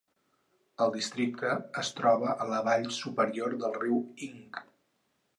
El districte es troba a la vall superior del riu Ing.